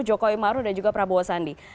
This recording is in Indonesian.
jokowi maru dan juga prabowo sandi